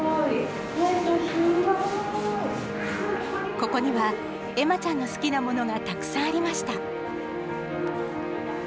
ここには、恵麻ちゃんの好きなものがたくさんありました。